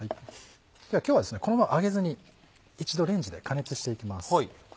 今日はこのまま揚げずに一度レンジで加熱していきます。